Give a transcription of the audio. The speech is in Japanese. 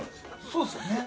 ◆そうですよね。